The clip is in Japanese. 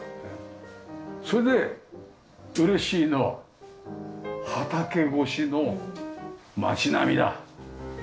それで嬉しいのは畑越しの街並みだ。